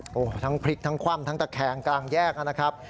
โอ้โหทั้งพลิกทั้งคว่ำทั้งตะแคงกลางแยกนะครับ